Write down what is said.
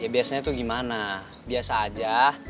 ya biasanya tuh gimana biasa aja